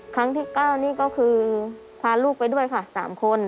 ครั้งที่๙นี่ก็คือพาลูกไปด้วยค่ะ๓คน